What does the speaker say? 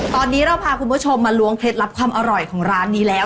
ตอนนี้เราพาคุณผู้ชมมาล้วงเคล็ดลับความอร่อยของร้านนี้แล้ว